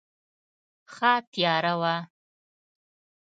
ښه تیاره وه.